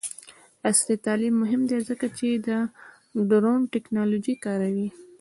عصري تعلیم مهم دی ځکه چې د ډرون ټیکنالوژي کاروي.